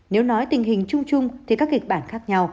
nếu nói tình hình chung chung thì các kịch bản khác nhau